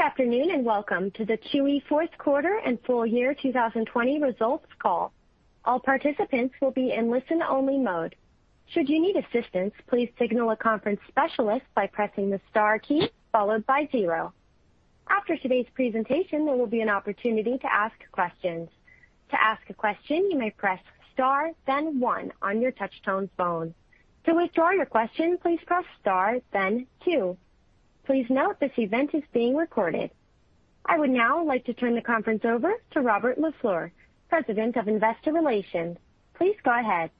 Good afternoon. Welcome to the Chewy fourth quarter and full year 2020 results call. All participants will be in listen-only mode. Should you need assistance, please signal a conference specialist by pressing the star key followed by zero. After today's presentation, there will be an opportunity to ask questions. To ask a question, you may press star then one on your touch-tone phone. To withdraw your question, please press star then two. Please note, this event is being recorded. I would now like to turn the conference over to Robert LaFleur, President of Investor Relations. Please go ahead.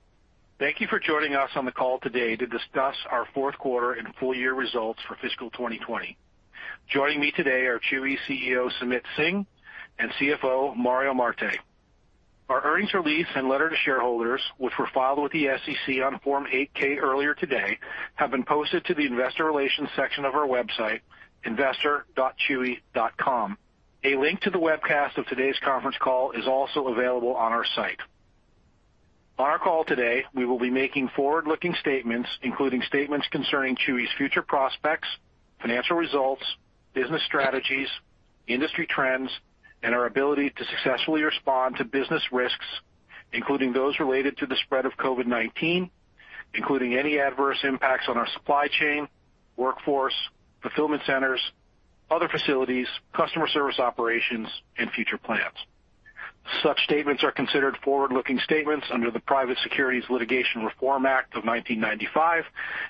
Thank you for joining us on the call today to discuss our fourth quarter and full-year results for fiscal 2020. Joining me today are Chewy Chief Executive Officer, Sumit Singh, and Chief Financial Officer, Mario Marte. Our earnings release and letter to shareholders, which were filed with the SEC on Form 8-K earlier today, have been posted to the investor relations section of our website, investor.chewy.com. A link to the webcast of today's conference call is also available on our site. On our call today, we will be making forward-looking statements, including statements concerning Chewy's future prospects, financial results, business strategies, industry trends, and our ability to successfully respond to business risks, including those related to the spread of COVID-19, including any adverse impacts on our supply chain, workforce, fulfillment centers, other facilities, customer service operations, and future plans. Such statements are considered forward-looking statements under the Private Securities Litigation Reform Act of 1995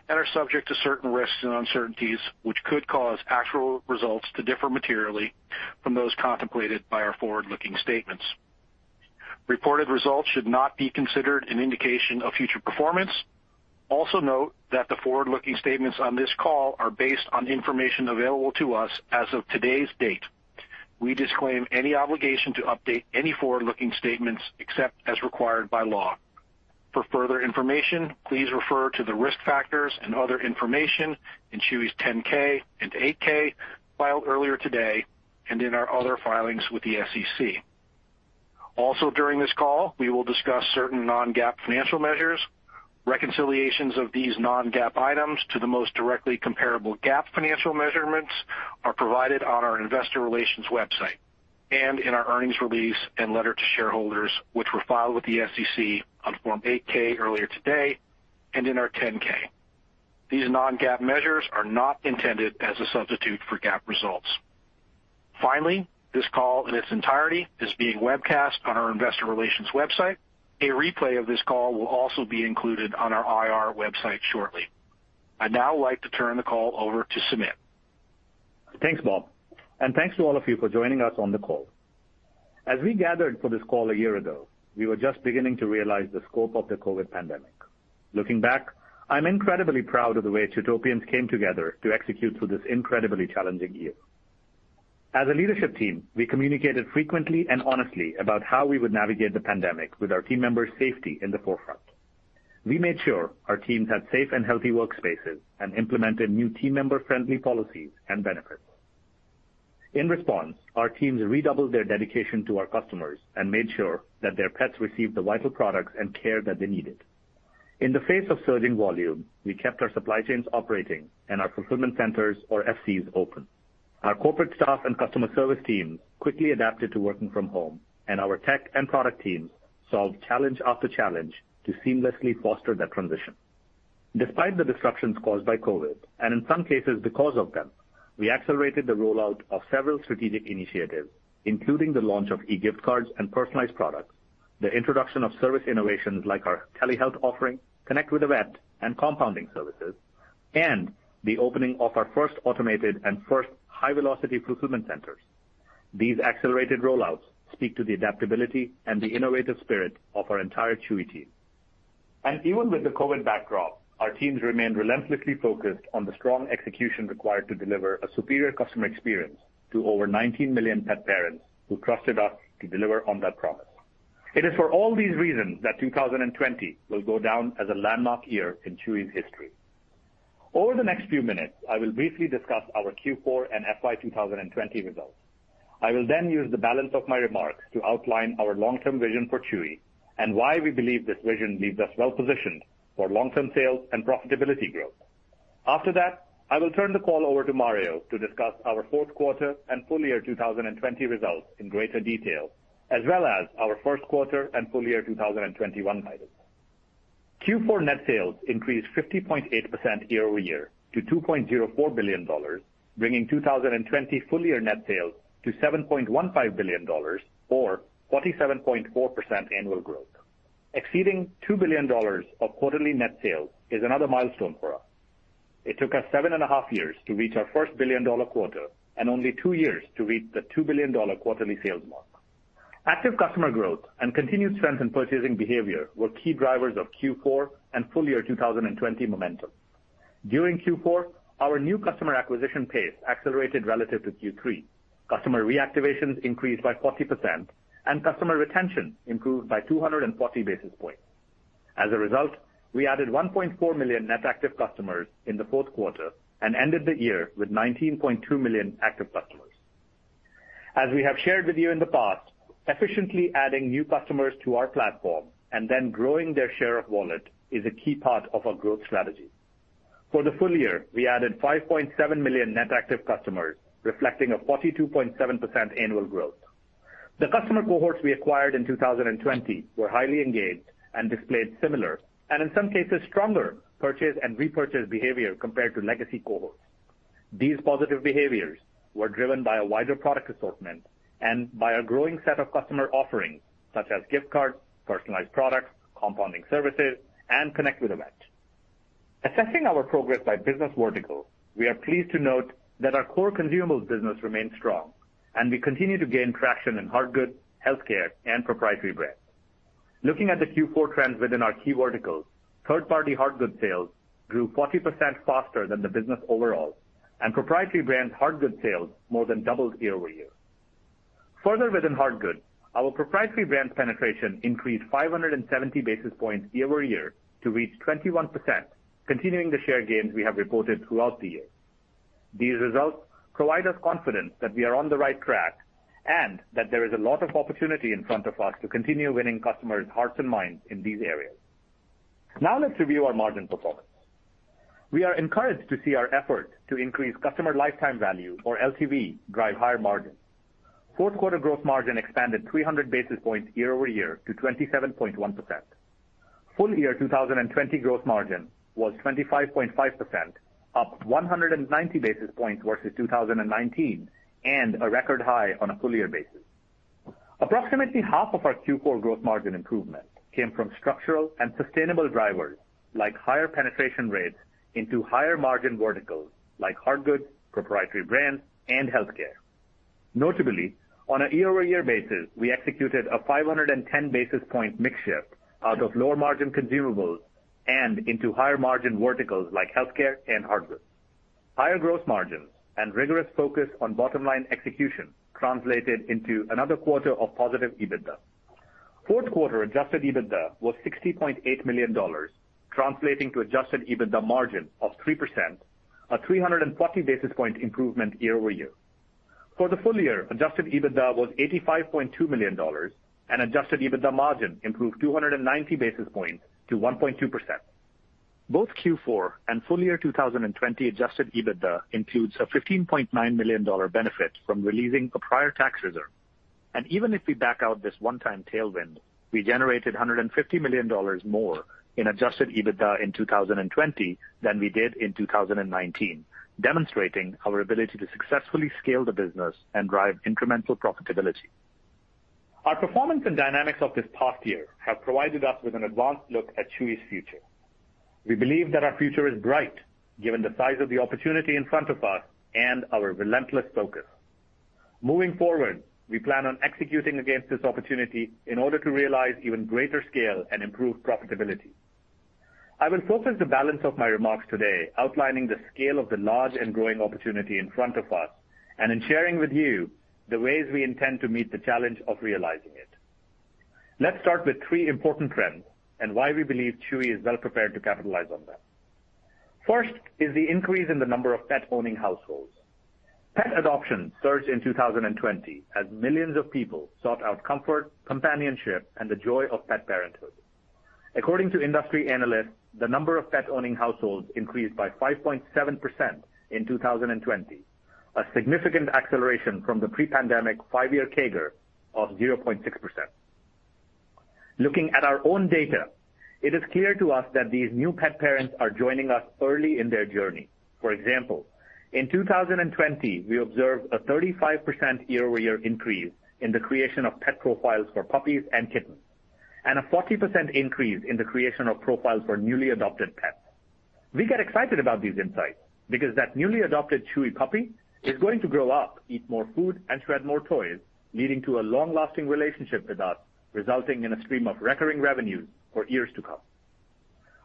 and are subject to certain risks and uncertainties, which could cause actual results to differ materially from those contemplated by our forward-looking statements. Reported results should not be considered an indication of future performance. Note that the forward-looking statements on this call are based on information available to us as of today's date. We disclaim any obligation to update any forward-looking statements except as required by law. For further information, please refer to the risk factors and other information in Chewy's 10-K and 8-K filed earlier today and in our other filings with the SEC. During this call, we will discuss certain non-GAAP financial measures. Reconciliations of these non-GAAP items to the most directly comparable GAAP financial measurements are provided on our investor relations website and in our earnings release and letter to shareholders, which were filed with the SEC on Form 8-K earlier today and in our 10-K. These non-GAAP measures are not intended as a substitute for GAAP results. Finally, this call in its entirety is being webcast on our investor relations website. A replay of this call will also be included on our Investor Relation website shortly. I'd now like to turn the call over to Sumit. Thanks, Bob, and thanks to all of you for joining us on the call. As we gathered for this call a year ago, we were just beginning to realize the scope of the COVID pandemic. Looking back, I'm incredibly proud of the way Chewtopians came together to execute through this incredibly challenging year. As a leadership team, we communicated frequently and honestly about how we would navigate the pandemic with our team members' safety in the forefront. We made sure our teams had safe and healthy workspaces and implemented new team member-friendly policies and benefits. In response, our teams redoubled their dedication to our customers and made sure that their pets received the vital products and care that they needed. In the face of surging volume, we kept our supply chains operating and our fulfillment centers, or FCs, open. Our corporate staff and customer service teams quickly adapted to working from home, and our tech and product teams solved challenge after challenge to seamlessly foster that transition. Despite the disruptions caused by COVID, and in some cases because of them, we accelerated the rollout of several strategic initiatives, including the launch of eGift Cards and personalized products, the introduction of service innovations like our telehealth offering, Connect with a Vet and Compounding Services, and the opening of our first automated and first high-velocity fulfillment centers. These accelerated rollouts speak to the adaptability and the innovative spirit of our entire Chewy team. Even with the COVID backdrop, our teams remained relentlessly focused on the strong execution required to deliver a superior customer experience to over 19 million pet parents who trusted us to deliver on that promise. It is for all these reasons that 2020 will go down as a landmark year in Chewy's history. Over the next few minutes, I will briefly discuss our Q4 and FY 2020 results. I will then use the balance of my remarks to outline our long-term vision for Chewy and why we believe this vision leaves us well-positioned for long-term sales and profitability growth. After that, I will turn the call over to Mario to discuss our fourth quarter and full year 2020 results in greater detail, as well as our first quarter and full year 2021 guidance. Q4 net sales increased 50.8% YoY to $2.04 billion, bringing 2020 full-year net sales to $7.15 billion or 47.4% annual growth. Exceeding $2 billion of quarterly net sales is another milestone for us. It took us seven and a half years to reach our first $250 million and only two years to reach the $2 billion quarterly sales mark. Active customer growth and continued strength in purchasing behavior were key drivers of Q4 and full-year 2020 momentum. During Q4, our new customer acquisition pace accelerated relative to Q3. Customer reactivations increased by 40%, and customer retention improved by 240 basis points. As a result, we added 1.4 million net active customers in the fourth quarter and ended the year with 19.2 million active customers. As we have shared with you in the past, efficiently adding new customers to our platform and then growing their share of wallet is a key part of our growth strategy. For the full year, we added 5.7 million net active customers, reflecting a 42.7% annual growth. The customer cohorts we acquired in 2020 were highly engaged and displayed similar, and in some cases, stronger purchase and repurchase behavior compared to legacy cohorts. These positive behaviors were driven by a wider product assortment and by a growing set of customer offerings such as gift cards, personalized products, Compounding Services, and Connect with a Vet. Assessing our progress by business vertical, we are pleased to note that our core consumables business remains strong, and we continue to gain traction in hard good, healthcare, and proprietary brands. Looking at the Q4 trends within our key verticals, third-party hard good sales grew 40% faster than the business overall, and proprietary brands hard good sales more than doubled YoY. Further within hard good, our proprietary brands penetration increased 570 basis points YoY to reach 21%, continuing the share gains we have reported throughout the year. These results provide us confidence that we are on the right track and that there is a lot of opportunity in front of us to continue winning customers' hearts and minds in these areas. Let's review our margin performance. We are encouraged to see our effort to increase customer lifetime value or LTV drive higher margins. Fourth quarter gross margin expanded 300 basis points YoY to 27.1%. Full year 2020 gross margin was 25.5%, up 190 basis points versus 2019, and a record high on a full year basis. Approximately half of our Q4 gross margin improvement came from structural and sustainable drivers like higher penetration rates into higher margin verticals like hard goods, proprietary brands, and healthcare. Notably, on a YoY basis, we executed a 510 basis point mix shift out of lower margin consumables and into higher margin verticals like healthcare and hard goods. Higher gross margins and rigorous focus on bottom-line execution translated into another quarter of positive EBITDA. Fourth quarter Adjusted EBITDA was $60.8 million, translating to Adjusted EBITDA margin of 3%, a 340 basis point improvement YoY. For the full year, Adjusted EBITDA was $85.2 million and Adjusted EBITDA margin improved 290 basis points to 1.2%. Both Q4 and full year 2020 Adjusted EBITDA includes a $15.9 million benefit from releasing a prior tax reserve. Even if we back out this one-time tailwind, we generated $150 million more in Adjusted EBITDA in 2020 than we did in 2019, demonstrating our ability to successfully scale the business and drive incremental profitability. Our performance and dynamics of this past year have provided us with an advanced look at Chewy's future. We believe that our future is bright given the size of the opportunity in front of us and our relentless focus. Moving forward, we plan on executing against this opportunity in order to realize even greater scale and improved profitability. I will focus the balance of my remarks today outlining the scale of the large and growing opportunity in front of us, and in sharing with you the ways we intend to meet the challenge of realizing it. Let's start with three important trends and why we believe Chewy is well prepared to capitalize on them. First is the increase in the number of pet-owning households. Pet adoption surged in 2020 as millions of people sought out comfort, companionship, and the joy of pet parenthood. According to industry analysts, the number of pet-owning households increased by 5.7% in 2020, a significant acceleration from the pre-pandemic five-year CAGR of 0.6%. Looking at our own data, it is clear to us that these new pet parents are joining us early in their journey. For example, in 2020, we observed a 35% YoY increase in the creation of pet profiles for puppies and kittens, and a 40% increase in the creation of profiles for newly adopted pets. We get excited about these insights because that newly adopted Chewy puppy is going to grow up, eat more food, and shred more toys, leading to a long-lasting relationship with us, resulting in a stream of recurring revenue for years to come.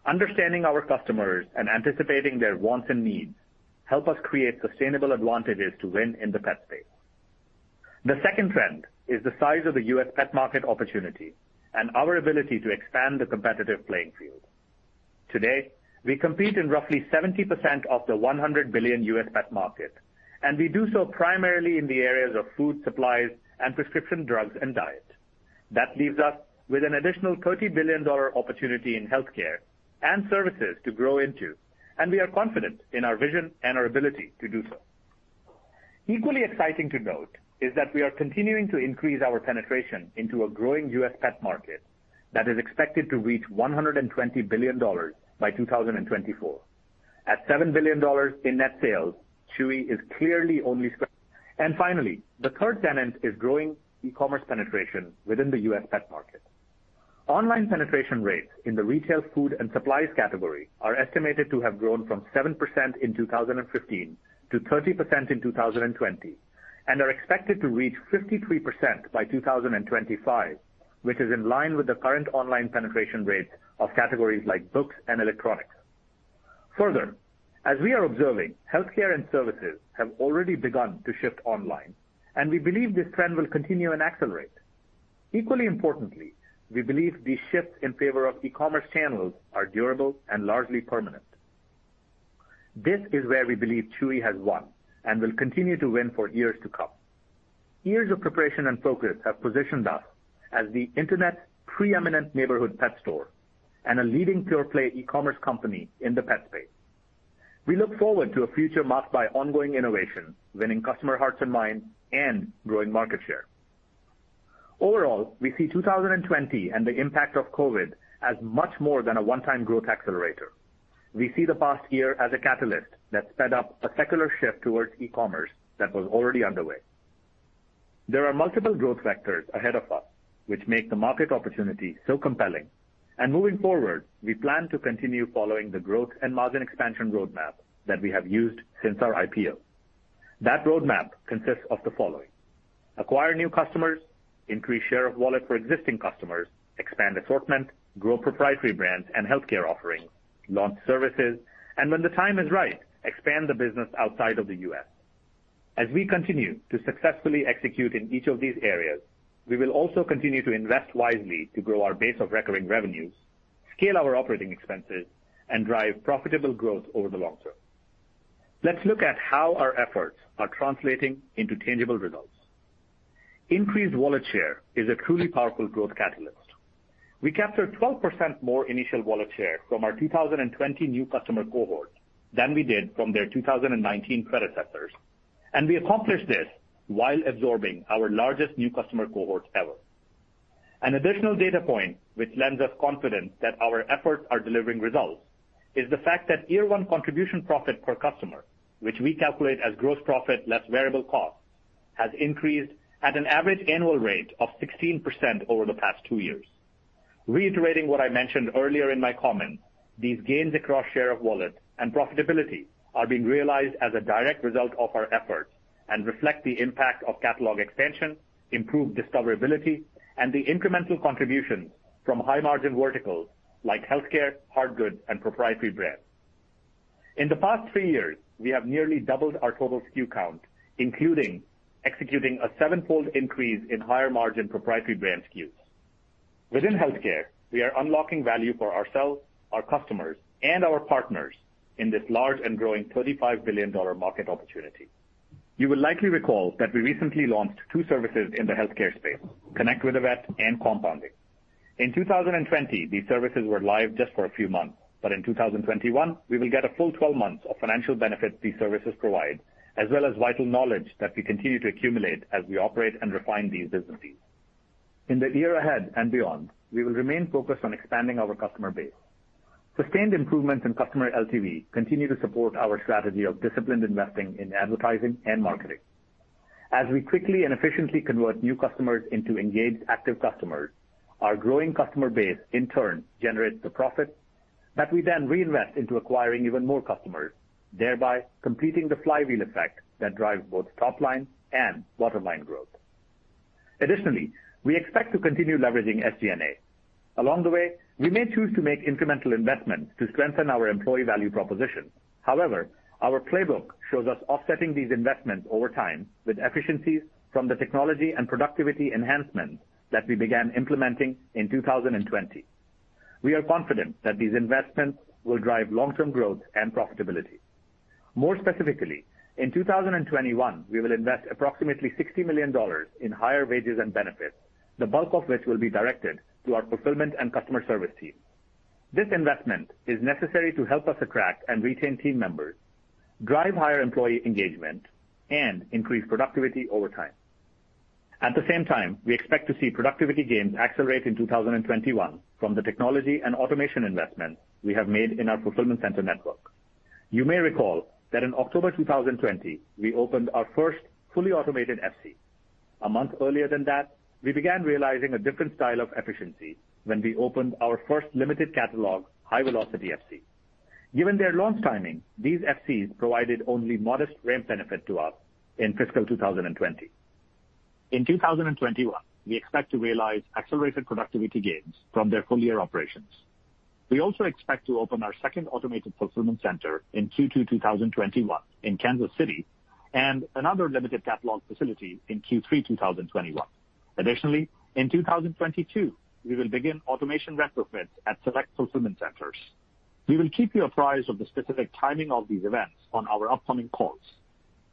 Understanding our customers and anticipating their wants and needs help us create sustainable advantages to win in the pet space. The second trend is the size of the U.S. pet market opportunity and our ability to expand the competitive playing field. Today, we compete in roughly 70% of the 100 billion U.S. pet market, and we do so primarily in the areas of food, supplies, and prescription drugs and diet. That leaves us with an additional $30 billion opportunity in healthcare and services to grow into, and we are confident in our vision and our ability to do so. Equally exciting to note is that we are continuing to increase our penetration into a growing U.S. pet market that is expected to reach $120 billion by 2024. At $7 billion in net sales, Chewy is clearly only... Finally, the third tenet is growing e-commerce penetration within the U.S. pet market. Online penetration rates in the retail food and supplies category are estimated to have grown from 7% in 2015 to 30% in 2020, and are expected to reach 53% by 2025, which is in line with the current online penetration rates of categories like books and electronics. Further, as we are observing, healthcare and services have already begun to shift online, and we believe this trend will continue and accelerate. Equally importantly, we believe these shifts in favor of e-commerce channels are durable and largely permanent. This is where we believe Chewy has won and will continue to win for years to come. Years of preparation and focus have positioned us as the internet's preeminent neighborhood pet store and a leading pure-play e-commerce company in the pet space. We look forward to a future marked by ongoing innovation, winning customer hearts and minds, and growing market share. Overall, we see 2020 and the impact of COVID as much more than a one-time growth accelerator. We see the past year as a catalyst that sped up a secular shift towards e-commerce that was already underway. There are multiple growth vectors ahead of us, which make the market opportunity so compelling. Moving forward, we plan to continue following the growth and margin expansion roadmap that we have used since our IPO. That roadmap consists of the following: acquire new customers, increase share of wallet for existing customers, expand assortment, grow proprietary brands and healthcare offerings, launch services, and when the time is right, expand the business outside of the U.S. As we continue to successfully execute in each of these areas, we will also continue to invest wisely to grow our base of recurring revenues, scale our operating expenses, and drive profitable growth over the long term. Let's look at how our efforts are translating into tangible results. Increased wallet share is a truly powerful growth catalyst. We captured 12% more initial wallet share from our 2020 new customer cohort than we did from their 2019 predecessors, and we accomplished this while absorbing our largest new customer cohort ever. An additional data point which lends us confidence that our efforts are delivering results is the fact that year-one contribution profit per customer, which we calculate as gross profit less variable cost, has increased at an average annual rate of 16% over the past two years. Reiterating what I mentioned earlier in my comments, these gains across share of wallet and profitability are being realized as a direct result of our efforts and reflect the impact of catalog expansion, improved discoverability, and the incremental contributions from high-margin verticals like healthcare, hard goods, and proprietary brands. In the past three years, we have nearly doubled our total SKU count, including executing a sevenfold increase in higher-margin proprietary brand SKUs. Within healthcare, we are unlocking value for ourselves, our customers, and our partners in this large and growing $35 billion market opportunity. You will likely recall that we recently launched two services in the healthcare space, Connect with a Vet and Compounding. In 2020, these services were live just for a few months. In 2021, we will get a full 12 months of financial benefits these services provide, as well as vital knowledge that we continue to accumulate as we operate and refine these businesses. In the year ahead and beyond, we will remain focused on expanding our customer base. Sustained improvements in customer LTV continue to support our strategy of disciplined investing in advertising and marketing. As we quickly and efficiently convert new customers into engaged, active customers, our growing customer base, in turn, generates the profit that we then reinvest into acquiring even more customers, thereby completing the flywheel effect that drives both top-line and bottom-line growth. Additionally, we expect to continue leveraging SG&A. Along the way, we may choose to make incremental investments to strengthen our employee value proposition. However, our playbook shows us offsetting these investments over time with efficiencies from the technology and productivity enhancements that we began implementing in 2020. We are confident that these investments will drive long-term growth and profitability. More specifically, in 2021, we will invest approximately $60 million in higher wages and benefits, the bulk of which will be directed to our fulfillment and customer service teams. This investment is necessary to help us attract and retain team members, drive higher employee engagement, and increase productivity over time. At the same time, we expect to see productivity gains accelerate in 2021 from the technology and automation investments we have made in our fulfillment center network. You may recall that in October 2020, we opened our first fully automated FC. A month earlier than that, we began realizing a different style of efficiency when we opened our first limited catalog High Velocity FC. Given their launch timing, these FCs provided only modest ramp benefit to us in fiscal 2020. In 2021, we expect to realize accelerated productivity gains from their full-year operations. We also expect to open our second automated fulfillment center in Q2 2021 in Kansas City and another limited catalog facility in Q3 2021. Additionally, in 2022, we will begin automation retrofits at select fulfillment centers. We will keep you apprised of the specific timing of these events on our upcoming calls.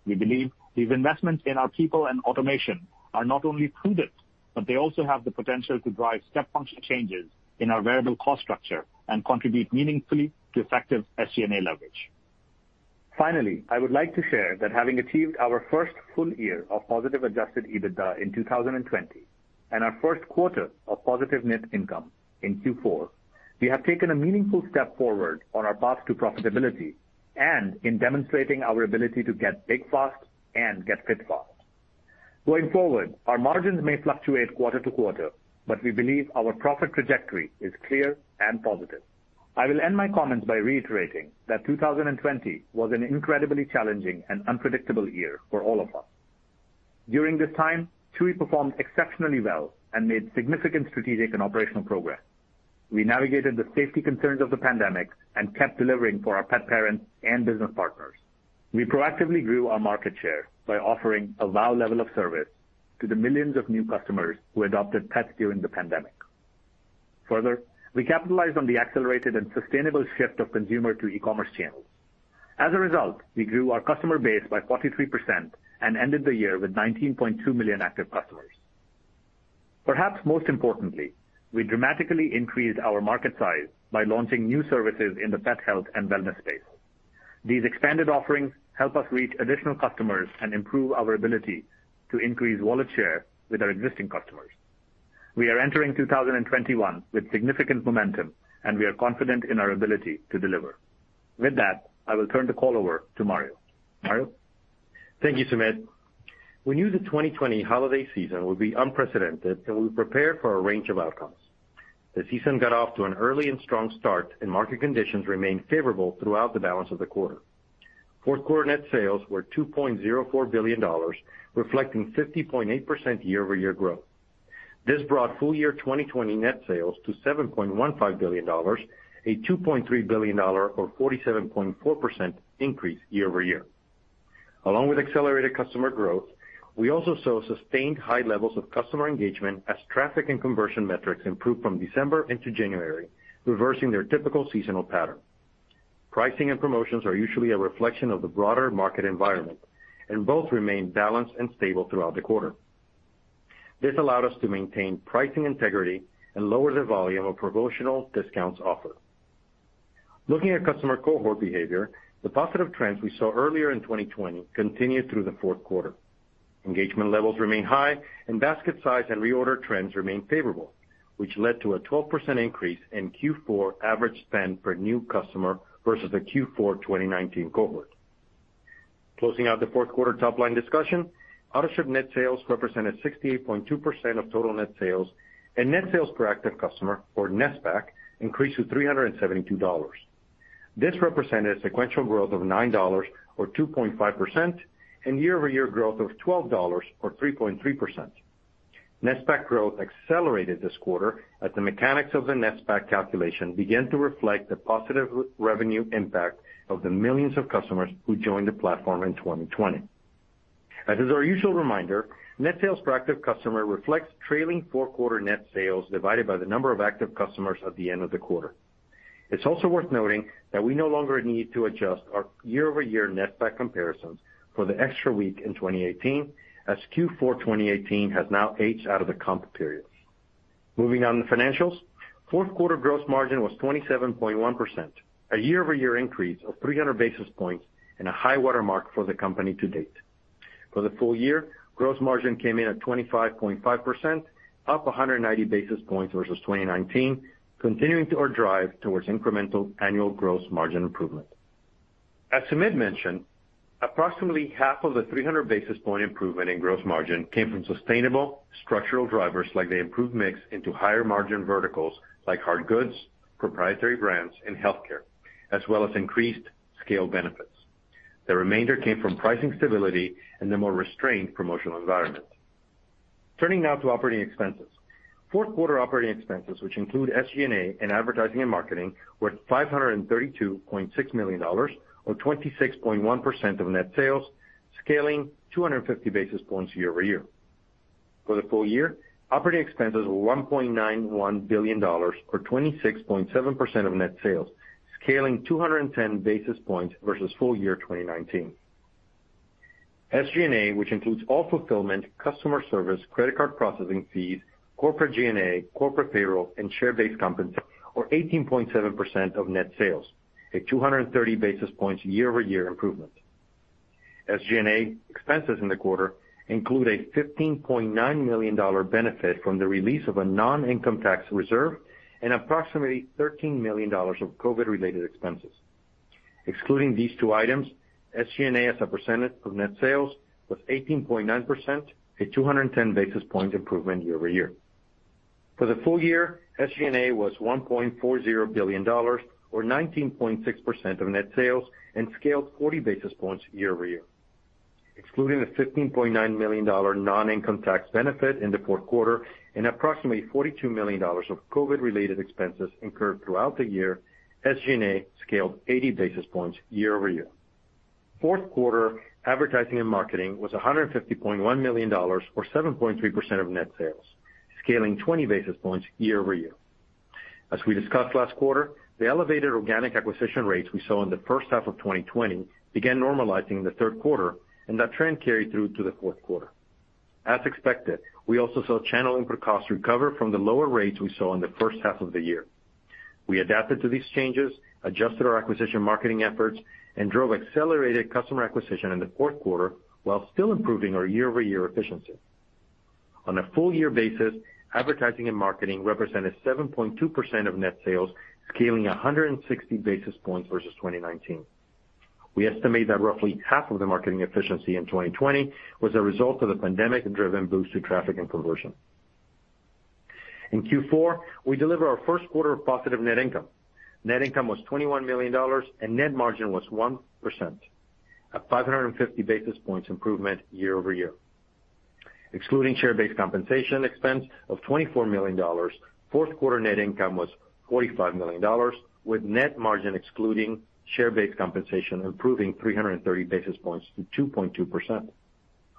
We believe these investments in our people and automation are not only prudent, but they also have the potential to drive step function changes in our variable cost structure and contribute meaningfully to effective SG&A leverage. Finally, I would like to share that having achieved our first full year of positive Adjusted EBITDA in 2020 and our first quarter of positive net income in Q4, we have taken a meaningful step forward on our path to profitability and in demonstrating our ability to get big fast and get fit fast. Going forward, our margins may fluctuate quarter-to-quarter, but we believe our profit trajectory is clear and positive. I will end my comments by reiterating that 2020 was an incredibly challenging and unpredictable year for all of us. During this time, Chewy performed exceptionally well and made significant strategic and operational progress. We navigated the safety concerns of the pandemic and kept delivering for our pet parents and business partners. We proactively grew our market share by offering a wow level of service to the millions of new customers who adopted pets during the pandemic. Further, we capitalized on the accelerated and sustainable shift of consumers to e-commerce channels. As a result, we grew our customer base by 43% and ended the year with 19.2 million active customers. Perhaps most importantly, we dramatically increased our market size by launching new services in the pet health and wellness space. These expanded offerings help us reach additional customers and improve our ability to increase wallet share with our existing customers. We are entering 2021 with significant momentum, and we are confident in our ability to deliver. With that, I will turn the call over to Mario. Mario? Thank you, Sumit. We knew the 2020 holiday season would be unprecedented, and we prepared for a range of outcomes. The season got off to an early and strong start, and market conditions remained favorable throughout the balance of the quarter. Fourth quarter net sales were $2.04 billion, reflecting 50.8% YoY growth. This brought full year 2020 net sales to $7.15 billion, a $2.3 billion or 47.4% increase YoY. Along with accelerated customer growth, we also saw sustained high levels of customer engagement as traffic and conversion metrics improved from December into January, reversing their typical seasonal pattern. Pricing and promotions are usually a reflection of the broader market environment, and both remained balanced and stable throughout the quarter. This allowed us to maintain pricing integrity and lower the volume of promotional discounts offered. Looking at customer cohort behavior, the positive trends we saw earlier in 2020 continued through the fourth quarter. Engagement levels remain high, and basket size and reorder trends remain favorable, which led to a 12% increase in Q4 average spend per new customer versus the Q4 2019 cohort. Closing out the fourth quarter top-line discussion, Autoship net sales represented 68.2% of total net sales, and Net Sales Per Active Customer or NSPAC increased to $372. This represented sequential growth of $9 or 2.5%, and YoY growth of $12 or 3.3%. NSPAC growth accelerated this quarter as the mechanics of the NSPAC calculation began to reflect the positive revenue impact of the millions of customers who joined the platform in 2020. As is our usual reminder, Net Sales Per Active Customer reflects trailing four-quarter net sales divided by the number of active customers at the end of the quarter. It's also worth noting that we no longer need to adjust our YoY NSPAC comparisons for the extra week in 2018, as Q4 2018 has now aged out of the comp periods. Moving on to financials. Fourth quarter gross margin was 27.1%, a YoY increase of 300 basis points and a high-water mark for the company to date. For the full year, gross margin came in at 25.5%, up 190 basis points versus 2019, continuing to drive towards incremental annual gross margin improvement. As Sumit mentioned, approximately half of the 300 basis point improvement in gross margin came from sustainable structural drivers like the improved mix into higher margin verticals like hard goods, proprietary brands, and healthcare, as well as increased scale benefits. The remainder came from pricing stability and the more restrained promotional environment. Turning now to operating expenses. Fourth quarter operating expenses, which include SG&A and advertising and marketing, were $532.6 million or 26.1% of net sales, scaling 250 basis points YoY. For the full year, operating expenses were $1.91 billion or 26.7% of net sales, scaling 210 basis points versus full year 2019. SG&A, which includes all fulfillment, customer service, credit card processing fees, corporate G&A, corporate payroll, and share-based compensation, or 18.7% of net sales, a 230 basis points YoY improvement. SG&A expenses in the quarter include a $15.9 million benefit from the release of a non-income tax reserve and approximately $13 million of COVID-related expenses. Excluding these two items, SG&A as a percentage of net sales was 18.9%, a 210 basis points improvement YoY. For the full year, SG&A was $1.40 billion or 19.6% of net sales and scaled 40 basis points YoY. Excluding the $15.9 million non-income tax benefit in the fourth quarter and approximately $42 million of COVID-related expenses incurred throughout the year, SG&A scaled 80 basis points YoY. Fourth quarter advertising and marketing was $150.1 million or 7.3% of net sales, scaling 20 basis points YoY. As we discussed last quarter, the elevated organic acquisition rates we saw in the first half of 2020 began normalizing in the third quarter, and that trend carried through to the fourth quarter. As expected, we also saw channel input costs recover from the lower rates we saw in the first half of the year. We adapted to these changes, adjusted our acquisition marketing efforts, and drove accelerated customer acquisition in the fourth quarter while still improving our YoY efficiency. On a full year basis, advertising and marketing represented 7.2% of net sales, scaling 160 basis points versus 2019. We estimate that roughly half of the marketing efficiency in 2020 was a result of the pandemic-driven boost to traffic and conversion. In Q4, we delivered our first quarter of positive net income. Net income was $21 million, and net margin was 1%, a 550 basis points improvement YoY. Excluding share-based compensation expense of $24 million, fourth quarter net income was $45 million, with net margin excluding share-based compensation improving 330 basis points to 2.2%.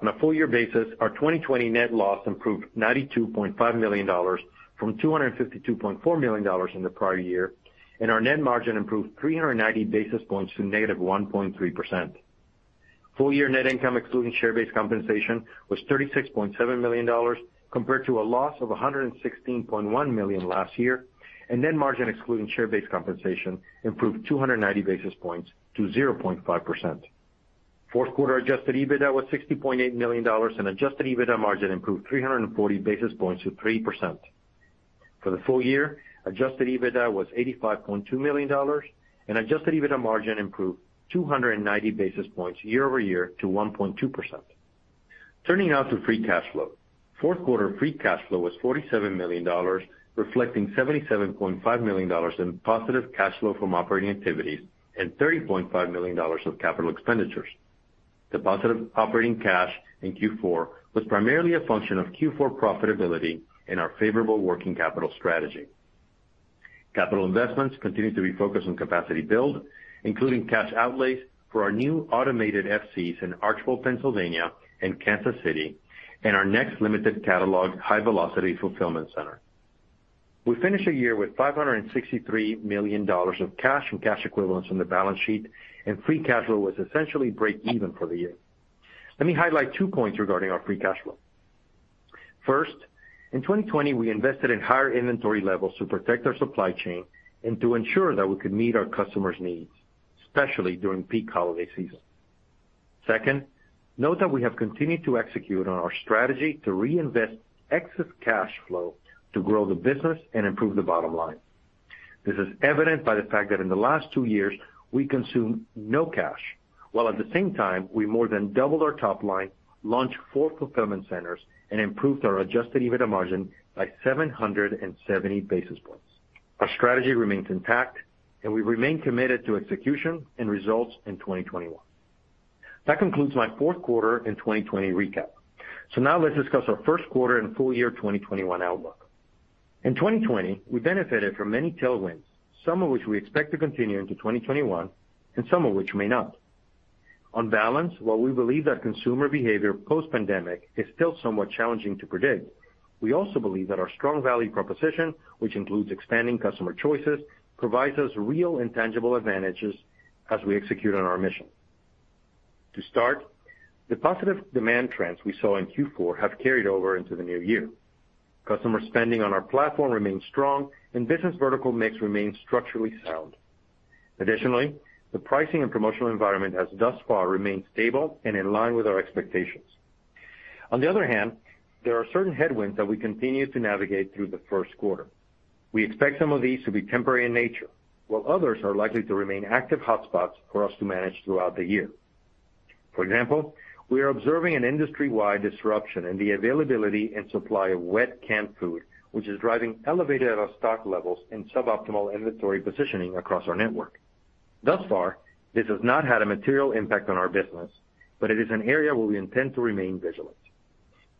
On a full year basis, our 2020 net loss improved $92.5 million from $252.4 million in the prior year, and our net margin improved 390 basis points to -1.3%. Full year net income excluding share-based compensation was $36.7 million, compared to a loss of $116.1 million last year, and net margin excluding share-based compensation improved 290 basis points to 0.5%. Fourth quarter Adjusted EBITDA was $60.8 million and Adjusted EBITDA margin improved 340 basis points to 3%. For the full year, Adjusted EBITDA was $85.2 million and Adjusted EBITDA margin improved 290 basis points YoY to 1.2%. Turning now to free cash flow. Fourth quarter free cash flow was $47 million, reflecting $77.5 million in positive cash flow from operating activities and $30.5 million of capital expenditures. The positive operating cash in Q4 was primarily a function of Q4 profitability and our favorable working capital strategy. Capital investments continue to be focused on capacity build, including cash outlays for our new automated FCs in Archbald, Pennsylvania, and Kansas City, and our next limited catalog high velocity fulfillment center. We finish the year with $563 million of cash and cash equivalents on the balance sheet, and free cash flow was essentially break even for the year. Let me highlight two points regarding our free cash flow. First, in 2020, we invested in higher inventory levels to protect our supply chain and to ensure that we could meet our customers' needs, especially during peak holiday season. Second, note that we have continued to execute on our strategy to reinvest excess cash flow to grow the business and improve the bottom line. This is evident by the fact that in the last two years, we consumed no cash, while at the same time, we more than doubled our top line, launched four fulfillment centers, and improved our Adjusted EBITDA margin by 770 basis points. Our strategy remains intact, and we remain committed to execution and results in 2021. That concludes my fourth quarter and 2020 recap. Now let's discuss our first quarter and full year 2021 outlook. In 2020, we benefited from many tailwinds, some of which we expect to continue into 2021 and some of which may not. On balance, while we believe that consumer behavior post-pandemic is still somewhat challenging to predict, we also believe that our strong value proposition, which includes expanding customer choices, provides us real and tangible advantages as we execute on our mission. To start, the positive demand trends we saw in Q4 have carried over into the new year. Customer spending on our platform remains strong and business vertical mix remains structurally sound. Additionally, the pricing and promotional environment has thus far remained stable and in line with our expectations. On the other hand, there are certain headwinds that we continue to navigate through the first quarter. We expect some of these to be temporary in nature, while others are likely to remain active hotspots for us to manage throughout the year. For example, we are observing an industry-wide disruption in the availability and supply of wet canned food, which is driving elevated out-of-stock levels and suboptimal inventory positioning across our network. Thus far, this has not had a material impact on our business, but it is an area where we intend to remain vigilant.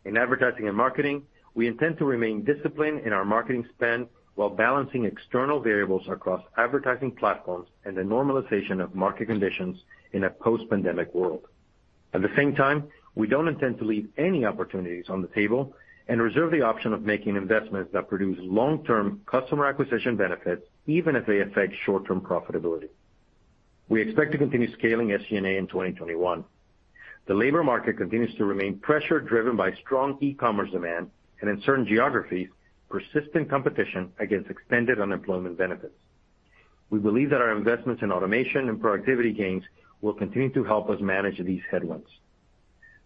In advertising and marketing, we intend to remain disciplined in our marketing spend while balancing external variables across advertising platforms and the normalization of market conditions in a post-pandemic world. At the same time, we don't intend to leave any opportunities on the table and reserve the option of making investments that produce long-term customer acquisition benefits, even if they affect short-term profitability. We expect to continue scaling SG&A in 2021. The labor market continues to remain pressure driven by strong e-commerce demand and in certain geographies, persistent competition against extended unemployment benefits. We believe that our investments in automation and productivity gains will continue to help us manage these headwinds.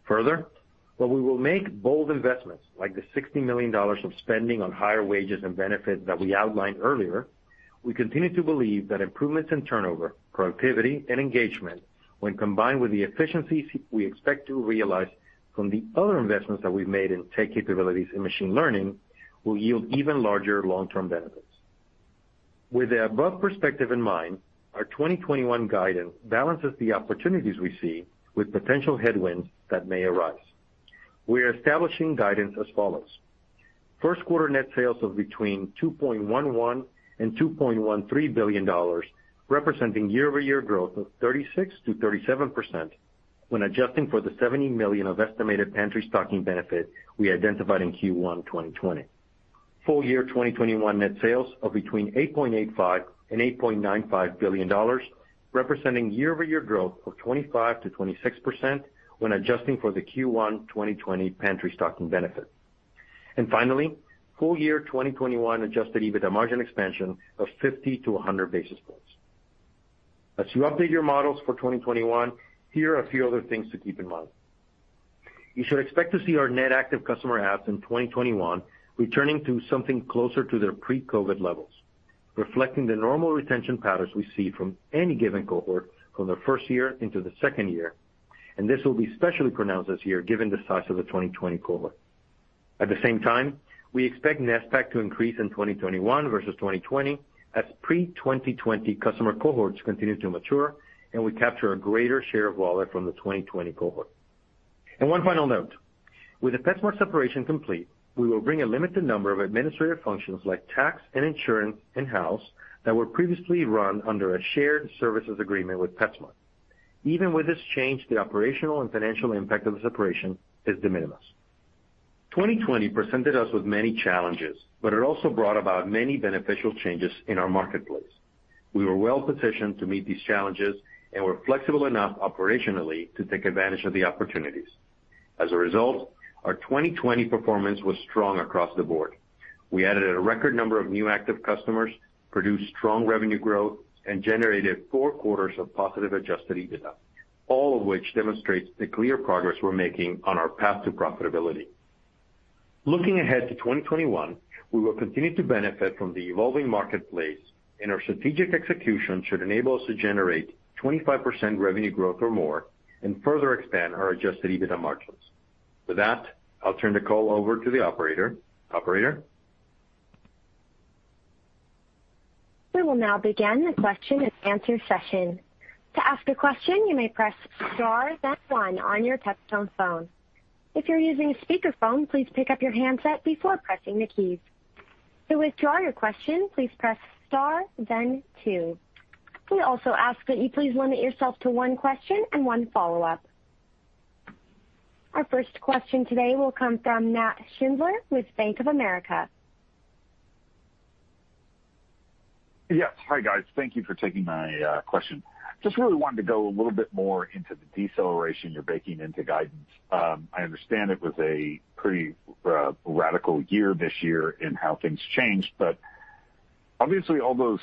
While we will make bold investments like the $60 million of spending on higher wages and benefits that we outlined earlier, we continue to believe that improvements in turnover, productivity, and engagement, when combined with the efficiencies we expect to realize from the other investments that we've made in tech capabilities and machine learning, will yield even larger long-term benefits. With the above perspective in mind, our 2021 guidance balances the opportunities we see with potential headwinds that may arise. We are establishing guidance as follows. First quarter net sales of between $2.11 and $2.13 billion, representing YoY growth of 36%-37% when adjusting for the $70 million of estimated pantry stocking benefit we identified in Q1 2020. Full year 2021 net sales of between $8.85 billion and $8.95 billion, representing YoY growth of 25% to 26% when adjusting for the Q1 2020 pantry stocking benefit. Finally, full year 2021 Adjusted EBITDA margin expansion of 50-100 basis points. As you update your models for 2021, here are a few other things to keep in mind. You should expect to see our net active customer adds in 2021 returning to something closer to their pre-COVID levels, reflecting the normal retention patterns we see from any given cohort from their first year into the second year, and this will be especially pronounced this year given the size of the 2020 cohort. At the same time, we expect NSPAC to increase in 2021 versus 2020 as pre-2020 customer cohorts continue to mature and we capture a greater share of wallet from the 2020 cohort. One final note. With the PetSmart separation complete, we will bring a limited number of administrative functions like tax and insurance in-house that were previously run under a shared services agreement with PetSmart. Even with this change, the operational and financial impact of the separation is de minimis. 2020 presented us with many challenges, but it also brought about many beneficial changes in our marketplace. We were well-positioned to meet these challenges and were flexible enough operationally to take advantage of the opportunities. As a result, our 2020 performance was strong across the board. We added a record number of new active customers, produced strong revenue growth, and generated four quarters of positive Adjusted EBITDA, all of which demonstrates the clear progress we're making on our path to profitability. Looking ahead to 2021, we will continue to benefit from the evolving marketplace, and our strategic execution should enable us to generate 25% revenue growth or more and further expand our Adjusted EBITDA margins. With that, I'll turn the call over to the operator. Operator? We will now begin the question-and-answer session. To ask a question, you may press star then one on your touch-tone phone. If you're using a speakerphone, please pick up your handset before pressing the keys. To withdraw your question, please press star then two. We also ask that you please limit yourself to one question and one follow-up. Our first question today will come from Nat Schindler with Bank of America. Hi, guys. Thank you for taking my question. Just really wanted to go a little bit more into the deceleration you're baking into guidance. I understand it was a pretty radical year this year in how things changed, but obviously all those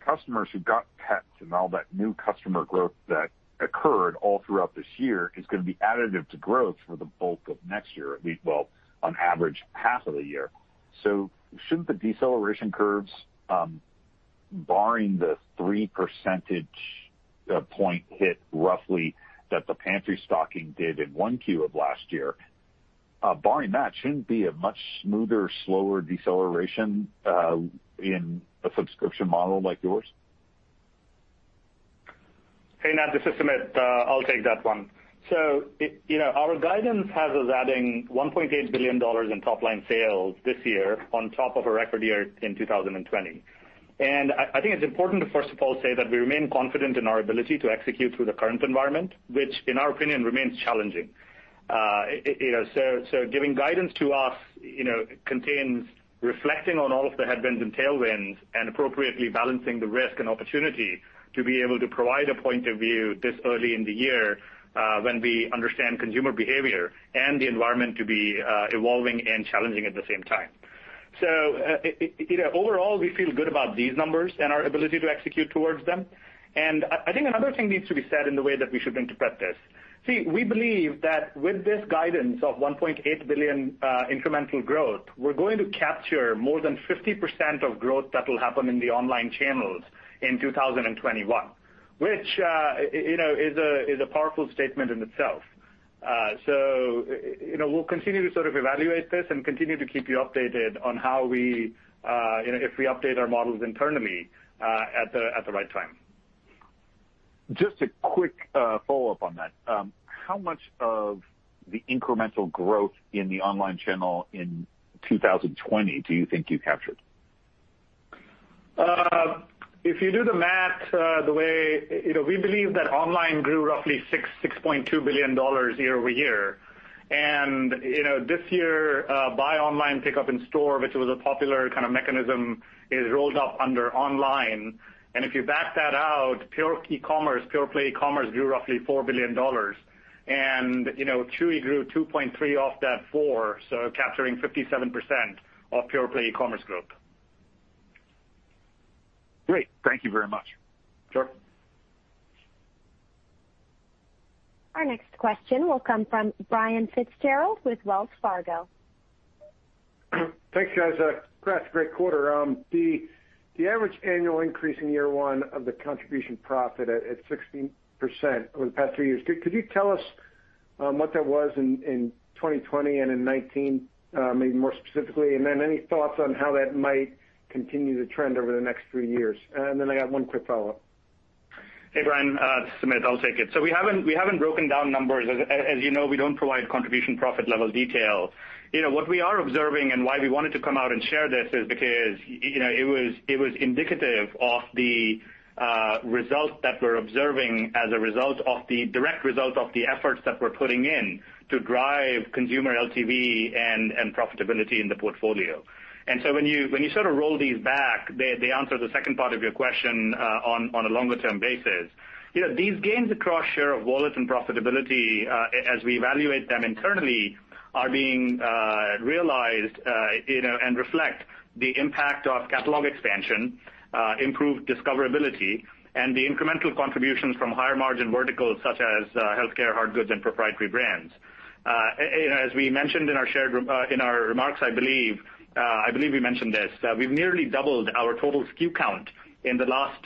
customers who got pets and all that new customer growth that occurred all throughout this year is going to be additive to growth for the bulk of next year, at least, well, on average, half of the year. Shouldn't the deceleration curves, barring the 3 percentage point hit roughly that the pantry stocking did in 1Q of last year, barring that, shouldn't be a much smoother, slower deceleration in a subscription model like yours? Hey, Nat, this is Sumit. I'll take that one. Our guidance has us adding $1.8 billion in top-line sales this year on top of a record year in 2020. I think it's important to first of all say that we remain confident in our ability to execute through the current environment, which in our opinion remains challenging. Giving guidance to us contains reflecting on all of the headwinds and tailwinds and appropriately balancing the risk and opportunity to be able to provide a point of view this early in the year, when we understand consumer behavior and the environment to be evolving and challenging at the same time. Overall, we feel good about these numbers and our ability to execute towards them. I think another thing needs to be said in the way that we should interpret this. We believe that with this guidance of $1.8 billion incremental growth, we're going to capture more than 50% of growth that will happen in the online channels in 2021. Which is a powerful statement in itself. We'll continue to sort of evaluate this and continue to keep you updated on how we, if we update our models internally, at the right time. Just a quick follow-up on that. How much of the incremental growth in the online channel in 2020 do you think you captured? If you do the math, the way we believe that online grew roughly $6.2 billion YoY. This year, buy online, pickup in store, which was a popular kind of mechanism, is rolled up under online. If you back that out, pure play e-commerce grew roughly $4 billion. Chewy grew $2.3 billion off that $4 billion, so capturing 57% of pure play e-commerce growth. Great. Thank you very much. Sure. Our next question will come from Brian Fitzgerald with Wells Fargo. Thanks, guys. Congrats, great quarter. The average annual increase in year one of the contribution profit at 16% over the past three years, could you tell us what that was in 2020 and in 2019, maybe more specifically? Any thoughts on how that might continue to trend over the next three years? I got one quick follow-up. Hey, Brian. Sumit, I'll take it. We haven't broken down numbers. As you know, we don't provide contribution profit level detail. What we are observing and why we wanted to come out and share this is because it was indicative of the result that we're observing as a direct result of the efforts that we're putting in to drive consumer LTV and profitability in the portfolio. When you sort of roll these back, the answer to the second part of your question on a longer term basis, these gains across share of wallet and profitability, as we evaluate them internally, are being realized and reflect the impact of catalog expansion, improved discoverability, and the incremental contributions from higher margin verticals such as healthcare, hard goods, and proprietary brands. As we mentioned in our remarks, I believe we mentioned this, we've nearly doubled our total SKU count in the last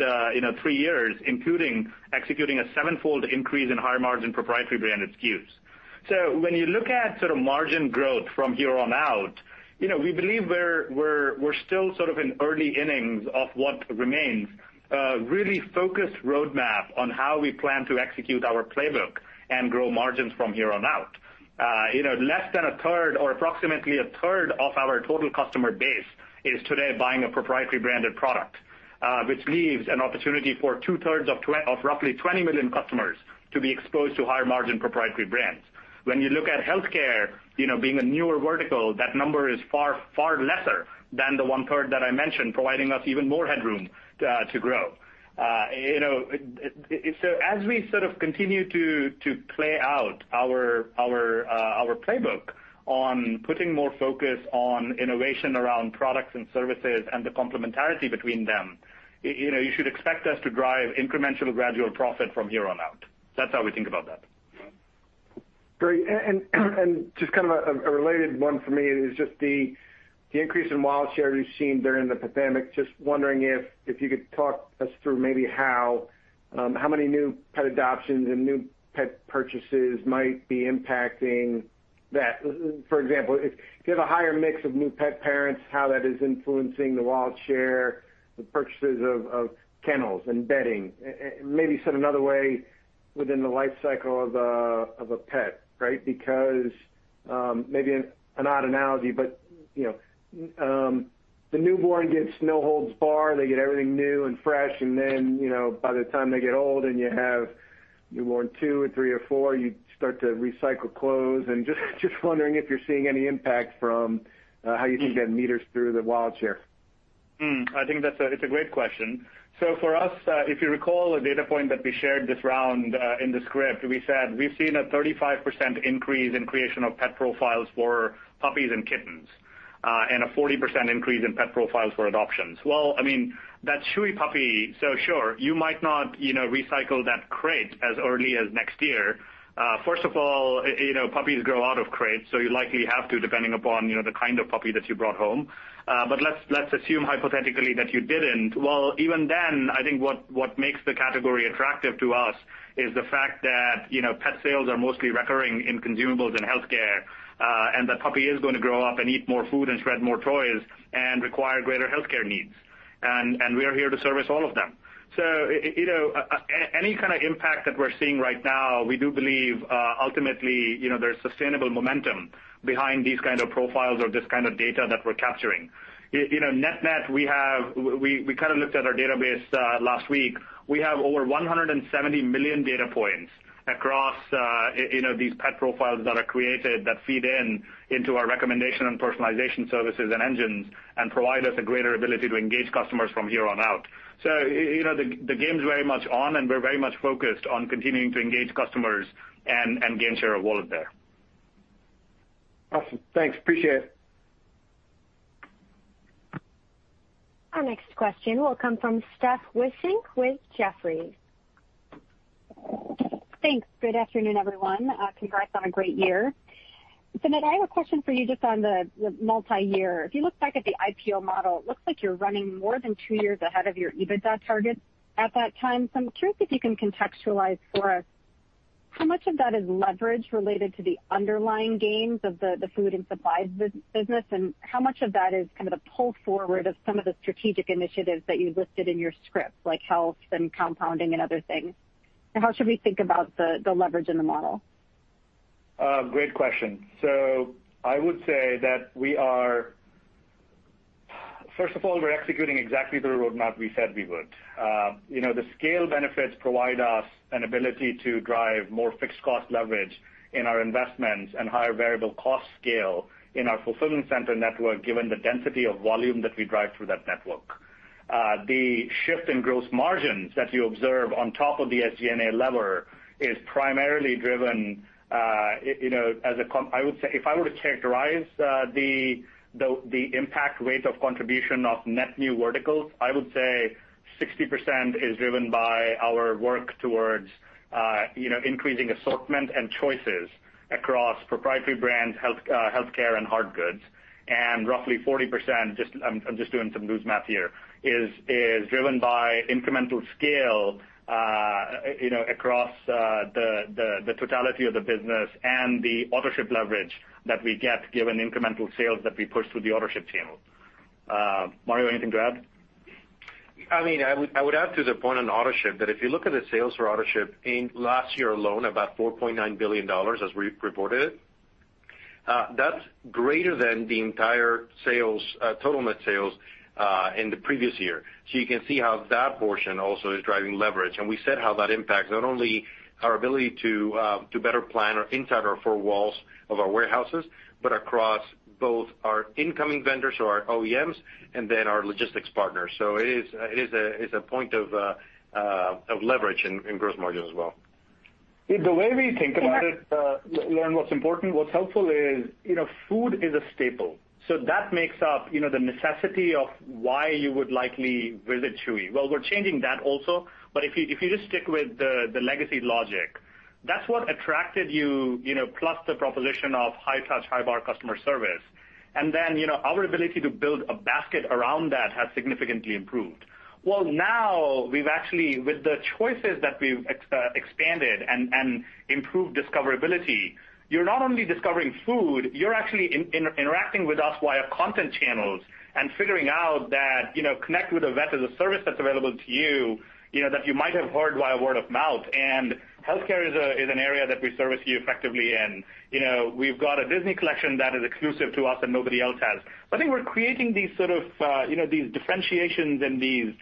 three years, including executing a sevenfold increase in higher margin proprietary branded SKUs. When you look at sort of margin growth from here on out, we believe we're still sort of in early innings of what remains a really focused roadmap on how we plan to execute our playbook and grow margins from here on out. Less than a third or approximately a third of our total customer base is today buying a proprietary branded product, which leaves an opportunity for two-thirds of roughly 20 million customers to be exposed to higher margin proprietary brands. When you look at healthcare, being a newer vertical, that number is far lesser than the one-third that I mentioned, providing us even more headroom to grow. As we sort of continue to play out our playbook on putting more focus on innovation around products and services and the complementarity between them, you should expect us to drive incremental gradual profit from here on out. That's how we think about that. Great. Just kind of a related one for me is just the increase in wallet share we've seen during the pandemic. Just wondering if you could talk us through maybe how many new pet adoptions and new pet purchases might be impacting that. For example, if you have a higher mix of new pet parents, how that is influencing the wallet share, the purchases of kennels and bedding, maybe said another way, within the life cycle of a pet, right? Because maybe an odd analogy, but the newborn gets no holds barred. They get everything new and fresh, and then, by the time they get old and you have newborn two or three or four, you start to recycle clothes. Just wondering if you're seeing any impact from how you think that meters through the wallet share. I think that's a great question. For us, if you recall a data point that we shared this round in the script, we said we've seen a 35% increase in creation of pet profiles for puppies and kittens, and a 40% increase in pet profiles for adoptions. I mean, that Chewy puppy, sure, you might not recycle that crate as early as next year. First of all, puppies grow out of crates, you likely have to, depending upon the kind of puppy that you brought home. Let's assume hypothetically that you didn't. Even then, I think what makes the category attractive to us is the fact that pet sales are mostly recurring in consumables and healthcare, and that puppy is going to grow up and eat more food and shred more toys and require greater healthcare needs. We are here to service all of them. Any kind of impact that we're seeing right now, we do believe, ultimately, there's sustainable momentum behind these kind of profiles or this kind of data that we're capturing. Net-net, we kind of looked at our database last week. We have over 170 million data points across these pet profiles that are created that feed in into our recommendation and personalization services and engines and provide us a greater ability to engage customers from here on out. The game's very much on, and we're very much focused on continuing to engage customers and gain share of wallet there. Awesome. Thanks, appreciate it. Our next question will come from Steph Wissink with Jefferies. Thanks. Good afternoon, everyone. Congrats on a great year. Sumit, I have a question for you just on the multi-year. If you look back at the IPO model, it looks like you're running more than two years ahead of your EBITDA targets at that time. I'm curious if you can contextualize for us how much of that is leverage related to the underlying gains of the food and supplies business, and how much of that is kind of the pull forward of some of the strategic initiatives that you listed in your script, like health and compounding and other things. How should we think about the leverage in the model? Great question. I would say that we are first of all, we're executing exactly the roadmap we said we would. The scale benefits provide us an ability to drive more fixed cost leverage in our investments and higher variable cost scale in our fulfillment center network, given the density of volume that we drive through that network. The shift in gross margins that you observe on top of the SG&A lever is primarily driven, if I were to characterize the impact rate of contribution of net new verticals, I would say 60% is driven by our work towards increasing assortment and choices across proprietary brands, healthcare, and hard goods. Roughly 40%, I'm just doing some loose math here, is driven by incremental scale across the totality of the business and the Autoship leverage that we get given incremental sales that we push through the Autoship channel. Mario, anything to add? I would add to the point on Autoship that if you look at the sales for Autoship in last year alone, about $4.9 billion as we reported it, that's greater than the entire total net sales in the previous year. You can see how that portion also is driving leverage. We said how that impacts not only our ability to better plan inside our four walls of our warehouses, but across both our incoming vendors or our OEMs and our logistics partners. It is a point of leverage in gross margin as well. The way we think about it, Steph, what's important, what's helpful is food is a staple. That makes up the necessity of why you would likely visit Chewy. We're changing that also, but if you just stick with the legacy logic. That's what attracted you, plus the proposition of high touch, high bar customer service. Our ability to build a basket around that has significantly improved. Now with the choices that we've expanded and improved discoverability, you're not only discovering food, you're actually interacting with us via content channels and figuring out that Connect with a Vet is a service that's available to you, that you might have heard via word of mouth. Healthcare is an area that we service you effectively in. We've got a Disney collection that is exclusive to us and nobody else has. I think we're creating these differentiations and these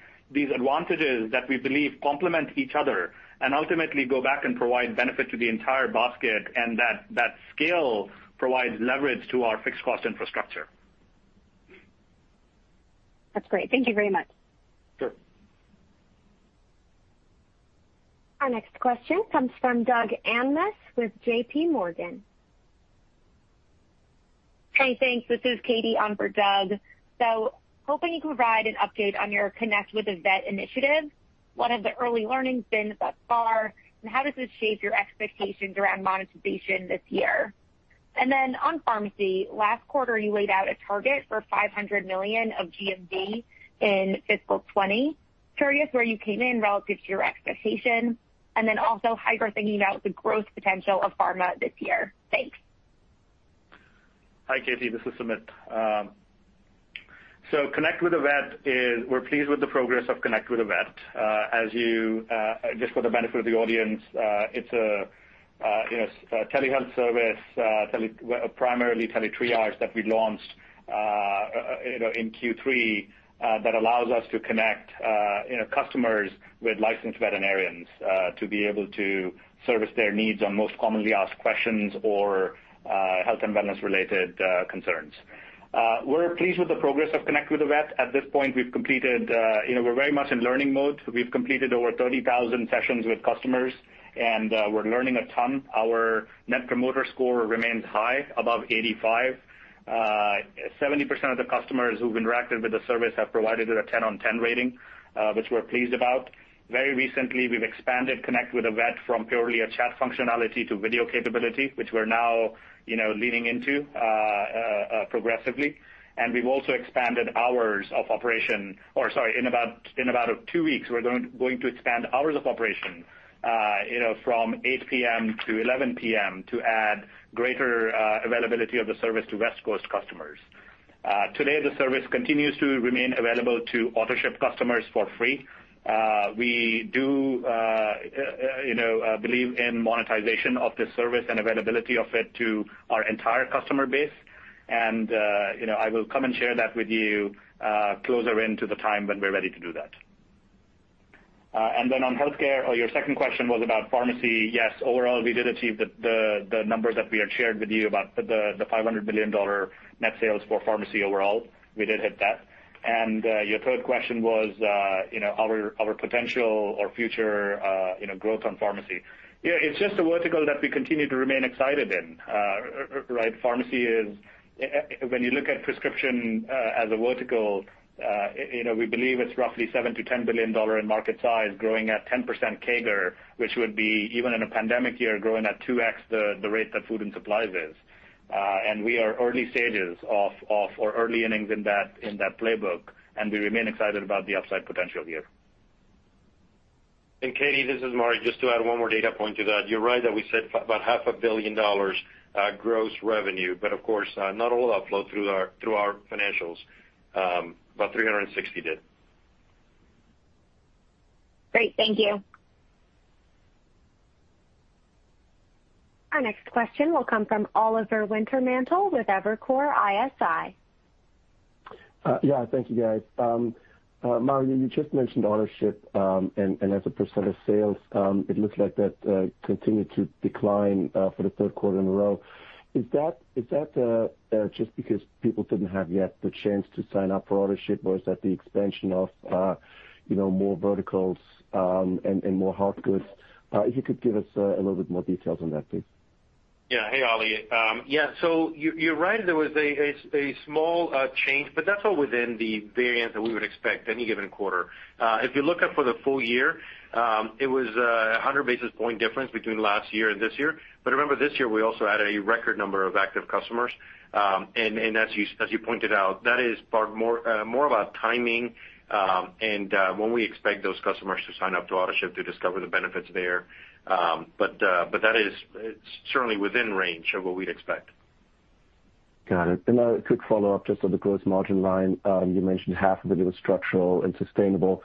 advantages that we believe complement each other and ultimately go back and provide benefit to the entire basket, and that scale provides leverage to our fixed cost infrastructure. That's great. Thank you very much. Sure. Our next question comes from Doug Anmuth with JPMorgan. Hey, thanks. This is Katy on for Doug. Hoping you can provide an update on your Connect with a Vet initiative. What have the early learnings been thus far, and how does this shape your expectations around monetization this year? On pharmacy, last quarter, you laid out a target for $500 million of GMV in FY 2020. Curious where you came in relative to your expectation, and then also how you're thinking about the growth potential of pharma this year. Thanks. Hi, Katy this is Sumit. Connect with a Vet, we're pleased with the progress of Connect with a Vet. Just for the benefit of the audience, it's a telehealth service, primarily tele-triage that we launched in Q3 that allows us to connect customers with licensed veterinarians to be able to service their needs on most commonly asked questions or health and wellness related concerns. We're pleased with the progress of Connect with a Vet. At this point, we're very much in learning mode. We've completed over 30,000 sessions with customers, and we're learning a ton. Our Net Promoter Score remains high, above 85. 70% of the customers who've interacted with the service have provided it a 10 on 10 rating, which we're pleased about. Very recently, we've expanded Connect with a Vet from purely a chat functionality to video capability, which we're now leaning into progressively. We've also expanded hours of operation. In about two weeks, we're going to expand hours of operation from 8:00 P.M.-11:00 P.M. to add greater availability of the service to West Coast customers. Today, the service continues to remain available to Autoship customers for free. We do believe in monetization of this service and availability of it to our entire customer base. I will come and share that with you closer in to the time when we're ready to do that. On healthcare, your second question was about pharmacy. Yes, overall, we did achieve the numbers that we had shared with you about the $500 million net sales for pharmacy overall. We did hit that. Your third question was our potential or future growth on pharmacy. Yeah, it's just a vertical that we continue to remain excited in. Pharmacy is, when you look at prescription as a vertical, we believe it's roughly $7 billion-$10 billion in market size, growing at 10% CAGR, which would be even in a pandemic year, growing at 2x the rate that food and supplies is. We are early stages of, or early innings in that playbook, and we remain excited about the upside potential here. Katy, this is Mario. Just to add one more data point to that. You're right that we said about $500 million gross revenue, but of course, not all flowed through our financials. About $360 did. Great. Thank you. Our next question will come from Oliver Wintermantel with Evercore ISI. Yeah. Thank you, guys. Mario, you just mentioned Autoship, and as a percent of sales, it looks like that continued to decline for the third quarter in a row. Is that just because people didn't have yet the chance to sign up for Autoship, or is that the expansion of more verticals and more hard goods? If you could give us a little bit more details on that, please. Yeah. Hey, Oliver. You're right. There was a small change, but that's all within the variance that we would expect any given quarter. If you look up for the full year, it was 100 basis point difference between last year and this year. Remember, this year we also had a record number of active customers. As you pointed out, that is more about timing and when we expect those customers to sign up to Autoship to discover the benefits there. That is certainly within range of what we'd expect. Got it. A quick follow-up just on the gross margin line. You mentioned half of it was structural and sustainable.